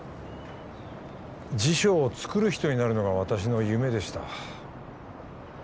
辞書をつくる人になるのが私の夢でした